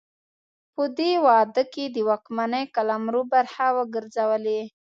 په دې واده کې د واکمنۍ قلمرو برخه وګرځولې.